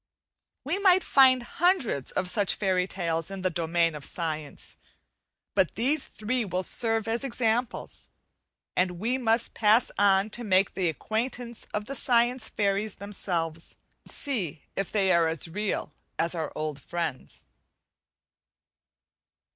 We might find hundreds of such fairy tales in the domain of science, but these three will serve as examples, and we much pass on to make the acquaintance of the science fairies themselves, and see if they are as real as our old friends.